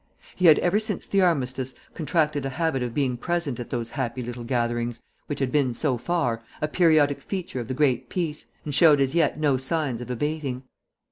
He had, ever since the armistice, contracted a habit of being present at those happy little gatherings which had been, so far, a periodic feature of the great peace, and showed as yet no signs of abating.